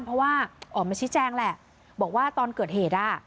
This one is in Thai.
เพราะว่าออกมาชี้แจงแหละบอกว่าตอนเกิดเหตุอ่ะ